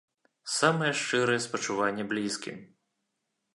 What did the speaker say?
Самыя шчырыя спачуванні блізкім.